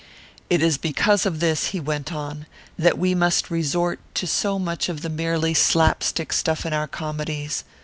"'It is because of this,' he went on, 'that we must resort to so much of the merely slap stick stuff in our comedies.